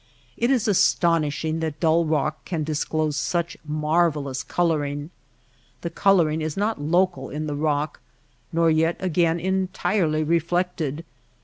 It is astonishing that dull rock can disclose such marvellous coloring. The coloring is not local in the rock, nor yet again entirely reflected.